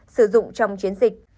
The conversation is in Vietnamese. sử dụng trong chiến dịch